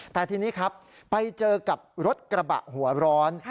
แต่ทีนี้ครับไปเจอกับรถกระบะหัวร้อน